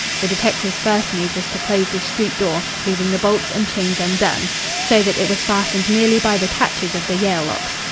The detective's first move was to close the street door, leaving the bolts and chains undone, so that it was fastened merely by the catches of the Yale locks.